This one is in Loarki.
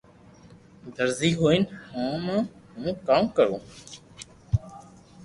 درزي ھوئين ھمو ھون ڪاوُ ڪرو